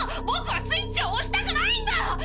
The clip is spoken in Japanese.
ボクはスイッチを押したくないんだ！